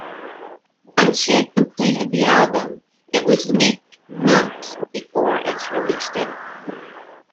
Once he had completed the album, it was leaked months before its release date.